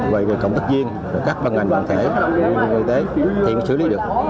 về cộng tác viên các băng ảnh bản thể công nghiệp y tế thì cũng xử lý được